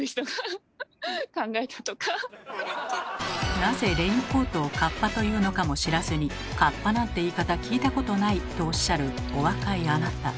なぜレインコートを「かっぱ」というのかも知らずに「『かっぱ』なんて言い方聞いたことない」とおっしゃるお若いあなた。